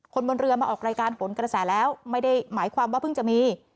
คนบนเรือมาออกรายการผลกระแสแล้วไม่ได้หมายความว่าเพิ่งจะมี